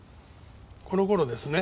この頃ですね？